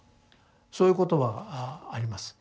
そういう言葉があります。